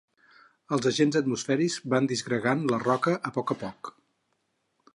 Els agents atmosfèrics van disgregant la roca a poc a poc.